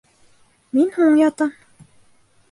Мин һуң ятам